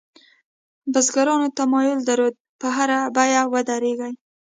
بزګرانو تمایل درلود په هره بیه ودرېږي.